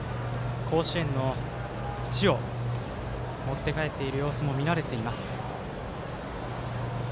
甲子園の土を持って帰っている様子も見られています。